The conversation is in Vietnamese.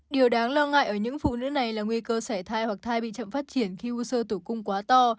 điều đáng lo ngại ở những phụ nữ này là nguy cơ sẻ thai hoặc thai bị chậm phát triển khi u sơ tử cung quá to